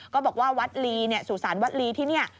ก็บอกว่าสู่ศาลวัดลีที่นี่